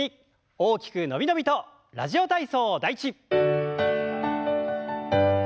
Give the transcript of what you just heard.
大きく伸び伸びと「ラジオ体操第１」。